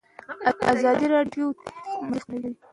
ایا ته غواړې د یوې ادبي مجلې مسول شې؟